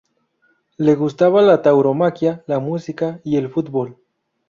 Le gustaba la tauromaquia, la música y el fútbol.